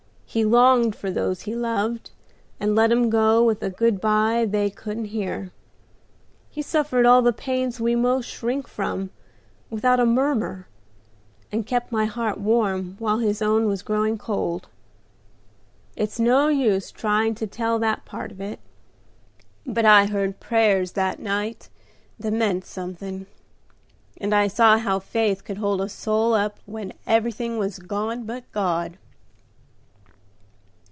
He longed for those he loved, and let 'em go with a good by they couldn't hear. He suffered all the pains we most shrink from without a murmur, and kept my heart warm while his own was growing cold. It's no use trying to tell that part of it; but I heard prayers that night that meant something, and I saw how faith could hold a soul up when everything was gone but God."